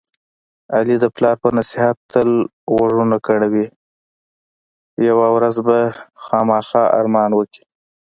علي د پلار په نصیحت تل غوږونه کڼوي. یوه ورځ به خوامخا ارمان وکړي.